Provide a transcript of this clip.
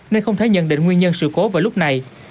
nên không thể nhận định nguyên nhân sự cố vào lúc này